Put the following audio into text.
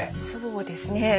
そうですね。